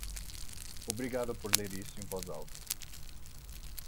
Obrigado por ler isto em voz alta.